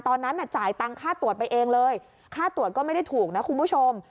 ตอนนั้นจ่ายตังค่าตรวจไปเองเลยค่าตรวจก็ไม่ได้ถูกนะคุณผู้ชม